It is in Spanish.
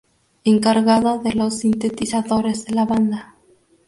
Encargado de los sintetizadores de la banda.